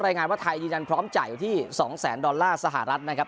รายงานว่าไทยยืนยันพร้อมจ่ายอยู่ที่๒แสนดอลลาร์สหรัฐนะครับ